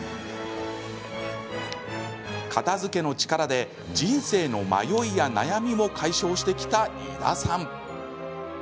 片づけの力で人生の迷いや悩みも解消してきた井田さん。